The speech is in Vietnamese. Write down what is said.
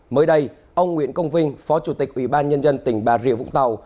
mới đây ông nguyễn công vinh phó chủ tịch ủy ban nhân dân tỉnh bà rịa vũng tàu